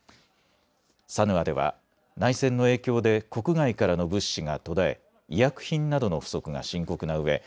サヌアでは内戦の影響で国外からの物資が途絶え医薬品などの不足が深刻なうえ